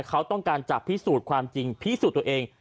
เขาต้องการจะพิสูจน์ความจริงพิสูจน์ตัวเอง